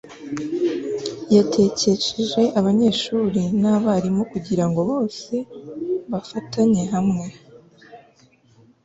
yatekesheje abanyeshuri nabarimu kugirango bose bafatanye hamwe